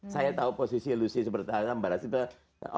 saya tahu posisi lu seperti alhamdulillah